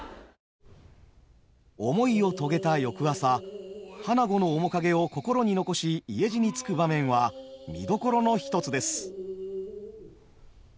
思いを遂げた翌朝花子の面影を心に残し家路につく場面は見どころの一つです。